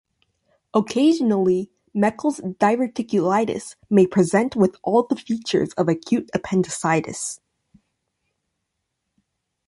Occasionally, Meckel's diverticulitis may present with all the features of acute appendicitis.